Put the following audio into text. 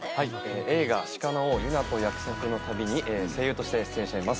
映画、鹿の王ユナと約束の旅に声優として出演しています。